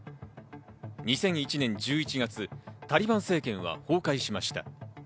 ２００１年１１月、タリバン政権は崩壊しました。